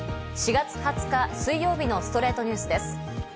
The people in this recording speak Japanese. ４月２０日、水曜日の『ストレイトニュース』です。